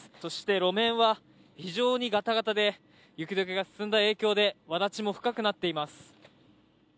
そして、路面は非常にがたがたで、雪どけが進んだ影響で、わだちも深くなっています。